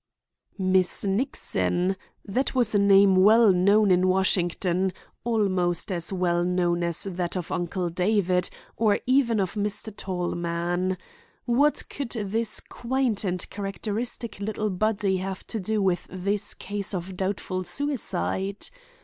Miss Nixon! That was a name well known in Washington; almost as well known as that of Uncle David, or even of Mr. Tallman. What could this quaint and characteristic little body have to do with this case of doubtful suicide?